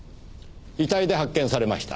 遺体で発見されました。